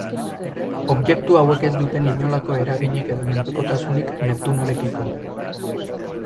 Objektu hauek ez duten inolako eraginik edo menpekotasunik Neptunorekiko.